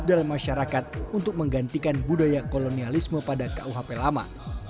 dan juga dalam masyarakat untuk menggantikan budaya kolonialisme pada rkuhp lama